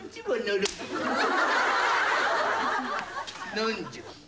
何じゃ？